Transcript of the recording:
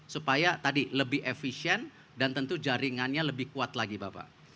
supaya tadi lebih efisien dan tentu jaringannya lebih kuat lagi bapak